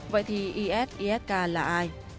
vậy thì is isk là ai